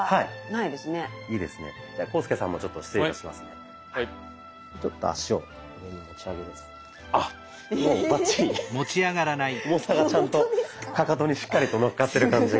重さがちゃんとかかとにしっかりと乗っかってる感じが。